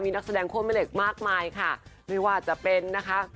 นักแสดงโค้แม่เหล็กมากมายค่ะไม่ว่าจะเป็นนะคะ